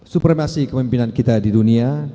supremasi kemimpinan kita di dunia